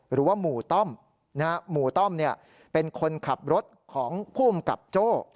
หรือว่าหมู่ต้อมหมู่ต้อมเป็นคนขับรถของภูมิกับโจ้